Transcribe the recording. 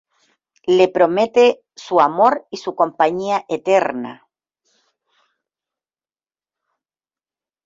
Le promete su amor y su compañía eterna.